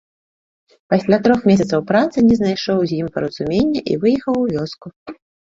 Пасля трох месяцаў працы не знайшоў з ім паразумення і выехаў у вёску.